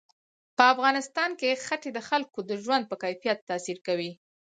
په افغانستان کې ښتې د خلکو د ژوند په کیفیت تاثیر کوي.